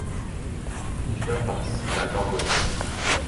Knifer participe à Gorgona.